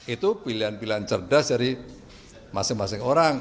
itu pilihan pilihan cerdas dari masing masing orang